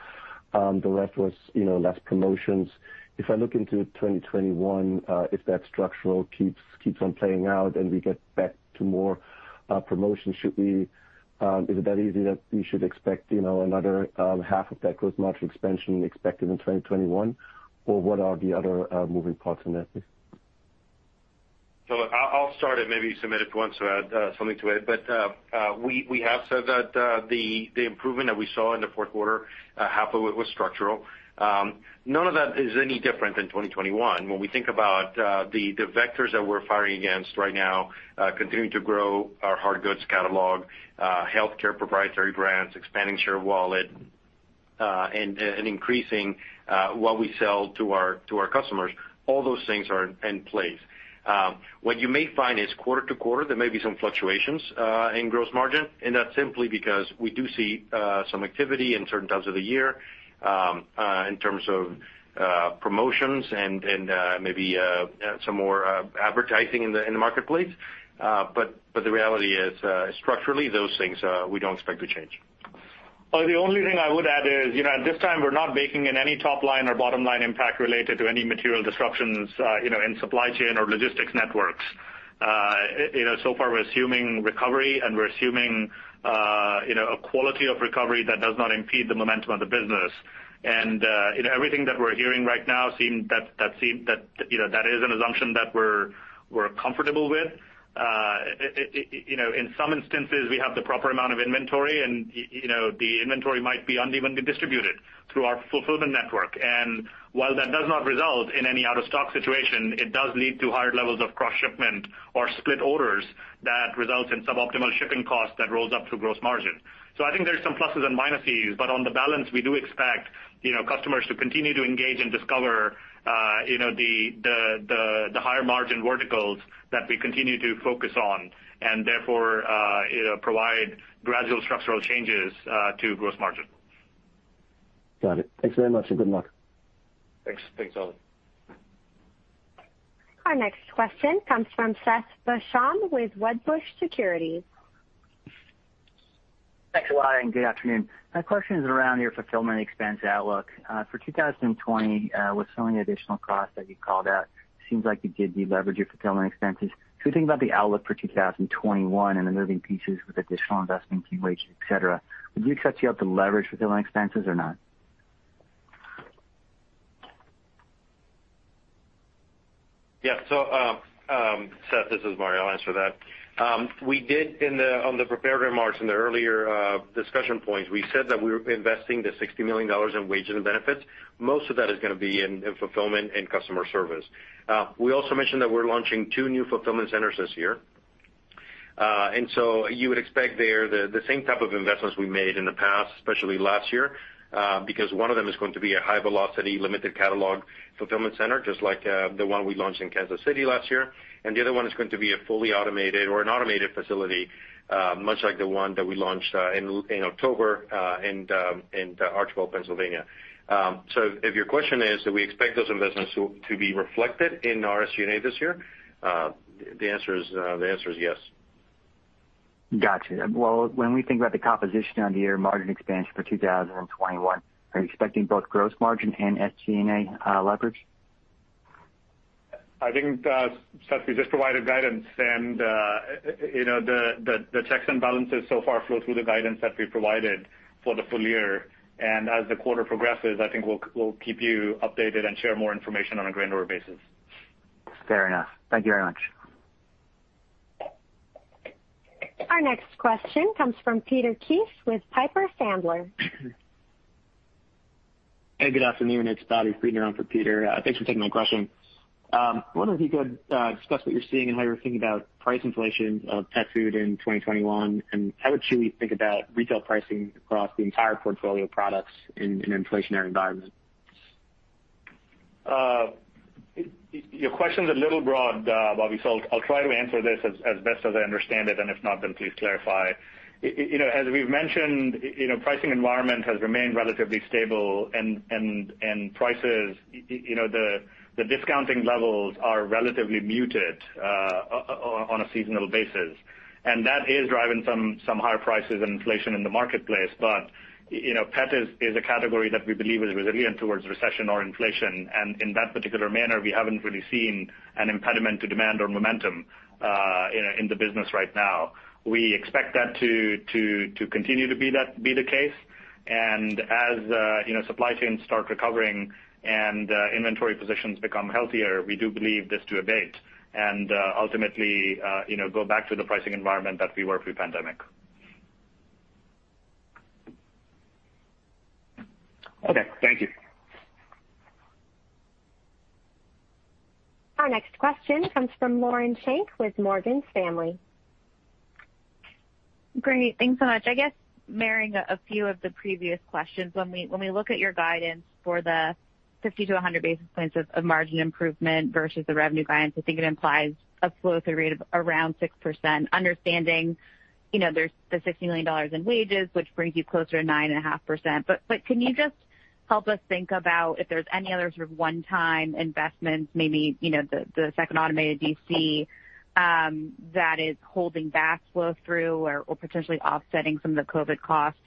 The rest was less promotions. If I look into 2021, if that structural keeps on playing out and we get back to more promotions, is it fair to say that we should expect another half of that gross margin expansion expected in 2021? What are the other moving parts in there, please? I'll start it, maybe Sumit, if you want to add something to it. We have said that the improvement that we saw in the fourth quarter, half of it was structural. None of that is any different in 2021. When we think about the vectors that we're firing against right now, continuing to grow our hard goods catalog, healthcare proprietary brands, expanding share of wallet and increasing what we sell to our customers. All those things are in place. What you may find is quarter-to-quarter, there may be some fluctuations in gross margin, and that's simply because we do see some activity in certain times of the year in terms of promotions and maybe some more advertising in the marketplace. The reality is structurally, those things we don't expect to change. The only thing I would add is, at this time, we're not baking in any top-line or bottom-line impact related to any material disruptions in supply chain or logistics networks. Far, we're assuming recovery, and we're assuming a quality of recovery that does not impede the momentum of the business. In everything that we're hearing right now, that is an assumption that we're comfortable with. In some instances, we have the proper amount of inventory, and the inventory might be unevenly distributed through our fulfillment network. While that does not result in any out-of-stock situation, it does lead to higher levels of cross-shipment or split orders that result in suboptimal shipping costs that rolls up through gross margin. I think there's some pluses and minuses, but on the balance, we do expect customers to continue to engage and discover the higher margin verticals that we continue to focus on, and therefore provide gradual structural changes to gross margin. Got it. Thanks very much, and good luck. Thanks, Oliver. Our next question comes from Seth Basham with Wedbush Securities. Thanks a lot, and good afternoon. My question is around your fulfillment expense outlook. For 2020, with so many additional costs that you called out, it seems like you did de-leverage your fulfillment expenses. When you think about the outlook for 2021 and the moving pieces with additional investment in wages, et cetera, would you set you up to leverage fulfillment expenses or not? Yeah. Seth, this is Mario. I'll answer that. We did, on the prepared remarks in the earlier discussion points, we said that we were investing the $60 million in wages and benefits. Most of that is going to be in fulfillment and customer service. We also mentioned that we're launching two new fulfillment centers this year. You would expect there the same type of investments we made in the past, especially last year, because one of them is going to be a high velocity, limited catalog fulfillment center, just like the one we launched in Kansas City last year. The other one is going to be a fully automated or an automated facility, much like the one that we launched in October in Archbald, Pennsylvania. If your question is, do we expect those investments to be reflected in our SG&A this year? The answer is yes. Got you. Well, when we think about the composition on the year margin expansion for 2021, are you expecting both gross margin and SG&A leverage? I think, Seth, we just provided guidance. The checks and balances so far flow through the guidance that we provided for the full year. As the quarter progresses, I think we'll keep you updated and share more information on a granular basis. Fair enough. Thank you very much. Our next question comes from Peter Keith with Piper Sandler. Hey, good afternoon, it's Bobby stepping in for Peter. Thanks for taking my question. I wonder if you could discuss what you're seeing and how you're thinking about price inflation of pet food in 2021, and how would Chewy think about retail pricing across the entire portfolio of products in an inflationary environment? Your question's a little broad, Bobby, so I'll try to answer this as best as I understand it, and if not, then please clarify. As we've mentioned, pricing environment has remained relatively stable and prices, the discounting levels are relatively muted on a seasonal basis. That is driving some higher prices and inflation in the marketplace. Pet is a category that we believe is resilient towards recession or inflation. In that particular manner, we haven't really seen an impediment to demand or momentum in the business right now. We expect that to continue to be the case. As supply chains start recovering and inventory positions become healthier, we do believe this to abate and ultimately go back to the pricing environment that we were pre-pandemic. Okay. Thank you. Our next question comes from Lauren Schenk with Morgan Stanley. Great. Thanks so much. I guess marrying a few of the previous questions, when we look at your guidance for the 50-100 basis points of margin improvement versus the revenue guidance, I think it implies a flow-through rate of around 6%. Understanding there's the $60 million in wages, which brings you closer to 9.5%. Can you just help us think about if there's any other sort of one-time investments, maybe the second automated DC, that is holding back flow-through or potentially offsetting some of the COVID costs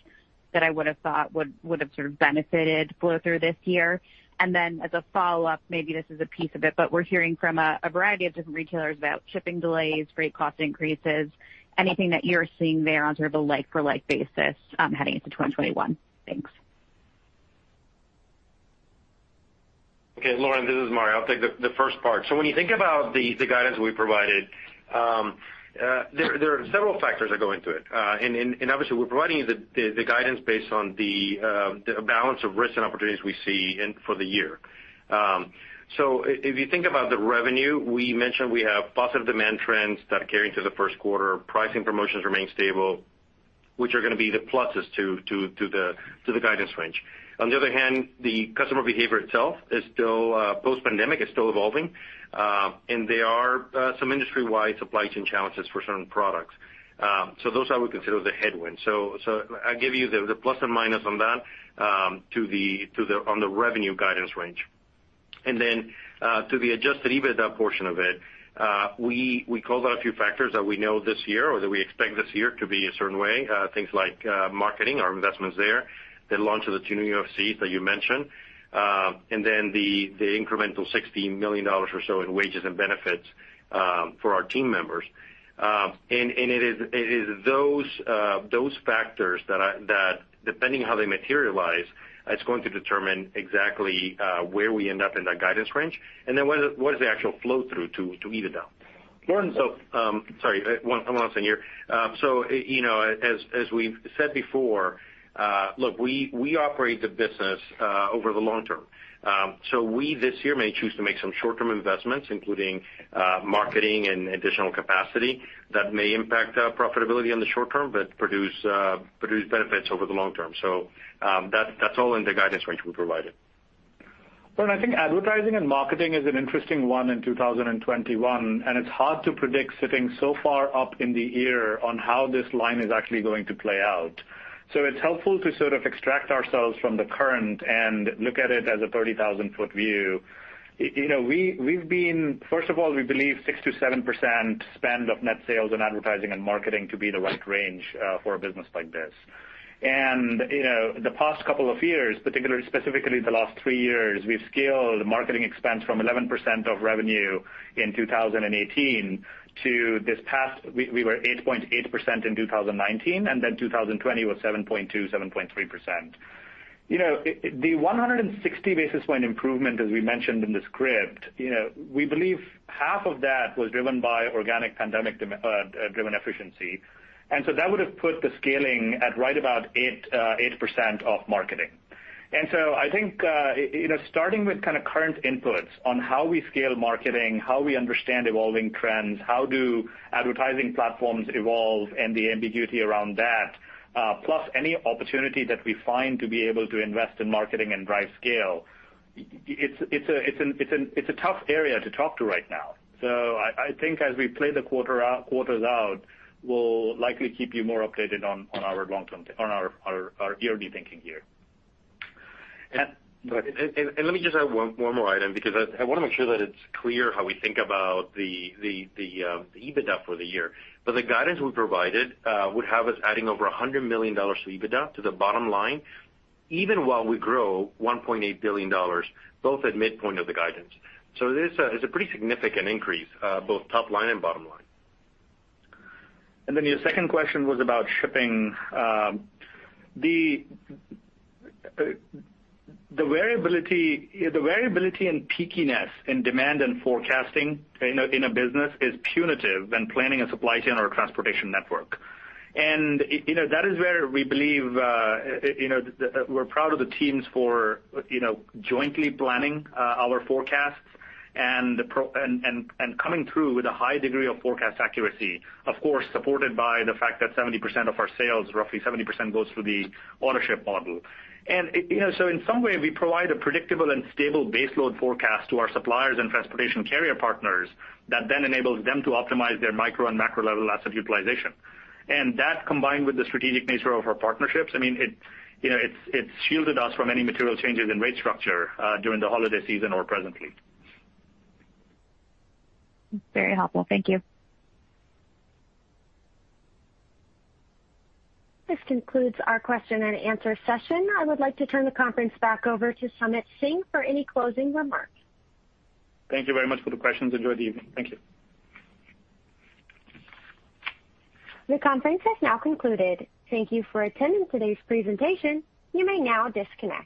that I would've thought would've sort of benefited flow-through this year? As a follow-up, maybe this is a piece of it, but we're hearing from a variety of different retailers about shipping delays, freight cost increases. Anything that you're seeing there on sort of a like-for-like basis heading into 2021? Thanks. Okay, Lauren, this is Mario. I'll take the first part. When you think about the guidance we provided, there are several factors that go into it. Obviously, we're providing you the guidance based on the balance of risks and opportunities we see for the year. If you think about the revenue, we mentioned we have positive demand trends that carry into the first quarter. Pricing promotions remain stable. Which are going to be the pluses to the guidance range. On the other hand, the customer behavior itself, post-pandemic, is still evolving. There are some industry-wide supply chain challenges for certain products. Those I would consider the headwinds. I give you the plus and minus on that on the revenue guidance range. To the Adjusted EBITDA portion of it, we called out a few factors that we know this year or that we expect this year to be a certain way. Things like marketing, our investments there, the launch of the two new FCs that you mentioned, and then the incremental $60 million or so in wages and benefits for our team members. It is those factors that, depending on how they materialize, it's going to determine exactly where we end up in that guidance range, and then what is the actual flow-through to EBITDA. Sorry, one last thing here. As we've said before, look, we operate the business over the long term. We, this year, may choose to make some short-term investments, including marketing and additional capacity that may impact our profitability in the short term, but produce benefits over the long term. That's all in the guidance range we provided. Well, I think advertising and marketing is an interesting one in 2021, and it's hard to predict sitting so far up in the year on how this line is actually going to play out. So it's helpful to sort of extract ourselves from the current and look at it as a 30,000-foot view. First of all, we believe 6%-7% spend of net sales on advertising and marketing to be the right range for a business like this. In the past couple of years, specifically the last three years, we've scaled marketing expense from 11% of revenue in 2018 to this past, we were 8.8% in 2019, and then 2020 was 7.2%, 7.3%. The 160 basis point improvement, as we mentioned in the script, we believe half of that was driven by organic pandemic-driven efficiency. That would have put the scaling at right about 8% of marketing. I think, starting with kind of current inputs on how we scale marketing, how we understand evolving trends, how do advertising platforms evolve and the ambiguity around that, plus any opportunity that we find to be able to invest in marketing and drive scale, it's a tough area to talk to right now. I think as we play the quarters out, we'll likely keep you more updated on our ERD thinking here. Let me just add one more item, because I want to make sure that it's clear how we think about the EBITDA for the year. The guidance we provided would have us adding over $100 million to EBITDA to the bottom line, even while we grow $1.8 billion, both at midpoint of the guidance. It's a pretty significant increase, both top line and bottom line. Then your second question was about shipping. The variability and peakiness in demand and forecasting in a business is punitive when planning a supply chain or a transportation network. That is where we believe we're proud of the teams for jointly planning our forecasts and coming through with a high degree of forecast accuracy, of course, supported by the fact that 70% of our sales, roughly 70%, goes through the Autoship model. So in some way, we provide a predictable and stable baseload forecast to our suppliers and transportation carrier partners that then enables them to optimize their micro and macro level asset utilization. That, combined with the strategic nature of our partnerships, it's shielded us from any material changes in rate structure during the holiday season or presently. Very helpful. Thank you. This concludes our question-and-answer session. I would like to turn the conference back over to Sumit Singh for any closing remarks. Thank you very much for the questions. Enjoy the evening. Thank you. The conference has now concluded. Thank you for attending today's presentation. You may now disconnect.